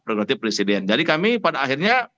prerogatif presiden jadi kami pada akhirnya